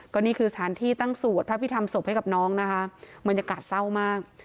ก็นี่คือสถานที่ตั้งสวดพระพิธรรมศพให้กับน้องนะคะบรรยากาศเศร้ามาก